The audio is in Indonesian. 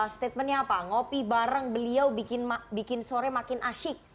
statementnya apa ngopi bareng beliau bikin sore makin asyik